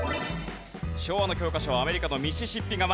昭和の教科書はアメリカのミシシッピ川。